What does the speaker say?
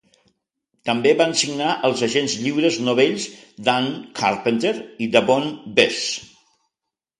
També van signar els agents lliures novells Dan Carpenter i Davone Bess.